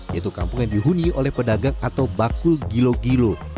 yaitu kampung yang dihuni oleh pedagang atau bakul gilo gilo